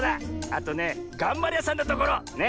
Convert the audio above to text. あとねがんばりやさんなところ。ね。